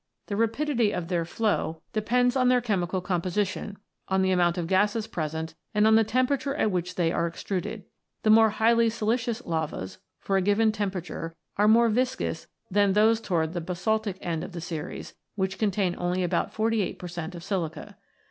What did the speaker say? The rapidity of their flow depends on their c. 8 114 ROCKS AND THEIR ORIGINS [CH. chemical composition, on the amount of gases present, and on the temperature at which they are extruded. The more highly siliceous lavas, for a given tempera ture, are more viscous than those towards the basaltic end of the series, which contain only about 48 per cent, of silica.